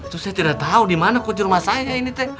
itu saya tidak tau dimana kunci rumah saya